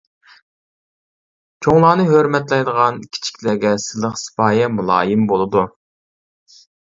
چوڭلارنى ھۆرمەتلەيدىغان، كىچىكلەرگە سىلىق-سىپايە، مۇلايىم بولىدۇ.